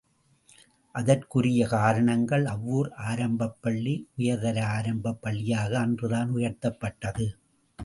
அதற்குரிய காரணங்கள் அவ்வூர் ஆரம்பப்பள்ளி, உயர் தர ஆரம்பப் பள்ளியாக அன்று தான் உயர்த்தப்பட்டது.